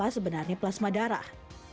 apa sebenarnya plasma darah